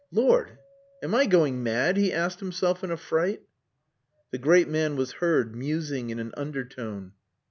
Lord! Am I going mad?" he asked himself in a fright. The great man was heard musing in an undertone.